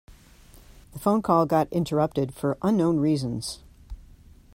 The phone call got interrupted for unknown reasons.